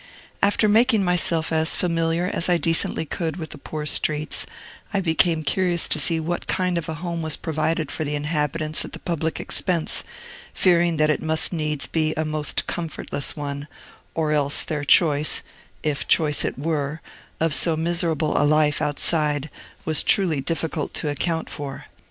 After making myself as familiar as I decently could with the poor streets, I became curious to see what kind of a home was provided for the inhabitants at the public expense, fearing that it must needs be a most comfortless one, or else their choice (if choice it were) of so miserable a life outside was truly difficult to account for.